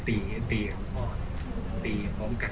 ส่วนยังแบร์ดแซมแบร์ด